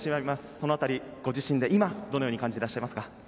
そのあたりご自身で今、どのように感じていらっしゃいますか？